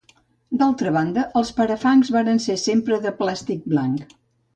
D'altra banda, els parafangs varen ser sempre de plàstic blanc.